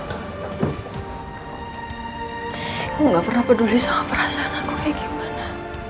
aku nggak pernah peduli sama perasaan aku kayak gimana